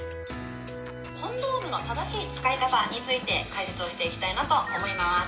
「コンドームの正しい使い方について解説をしていきたいなと思います」。